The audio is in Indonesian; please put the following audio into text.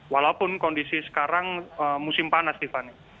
walaupun kondisi sekarang musim panas tiffany